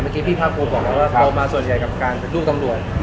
เมื่อกี้พี่ภาคภูมิบอกแล้วว่าโตมากับส่วนใหญ่กับการเป็นลูกตำรวจ